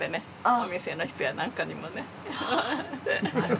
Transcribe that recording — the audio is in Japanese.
お店の人やなんかにもね。